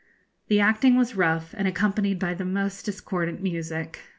The acting was rough, and accompanied by the most discordant music.